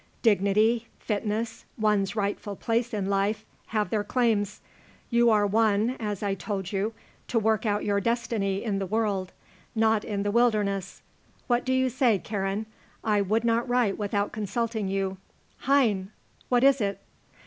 Dignity, fitness, one's rightful place in life have their claims. You are one, as I told you, to work out your destiny in the world, not in the wilderness. What do you say, Karen? I would not write without consulting you. Hein! What is it?"